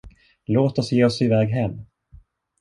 Låt oss ge oss iväg hem.